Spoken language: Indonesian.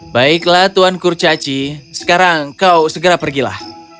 baiklah tuan kurcaci sekarang kau segera pergilah